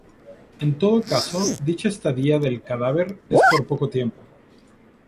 En todo caso dicha estadía del cadáver es por poco tiempo.